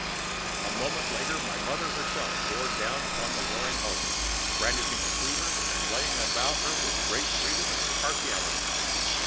A moment later my mother herself bore down upon the warring hosts, brandishing a cleaver, and laid about her with great freedom and impartiality.